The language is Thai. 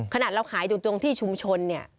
ขนาดเราขายอยู่ตรงที่ชุมชนเนี่ย